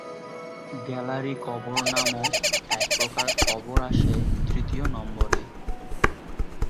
Gallery কবর নামক একপ্রকার কবর আসে তৃতীয় নম্বরে।